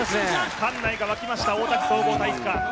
館内がわきました大田区総合体育館。